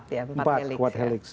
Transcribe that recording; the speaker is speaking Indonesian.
jadi empat ya empat helix